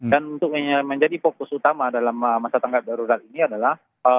dan untuk menjadi fokus utama dalam masa tanggap darurat ini adalah